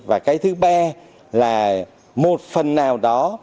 và cái thứ ba là một phần nào đó